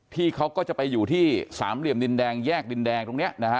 พี่เขาก็จะไปอยู่ที่สามเหลี่ยมดินแดงแยกดินแดงตรงนี้นะฮะ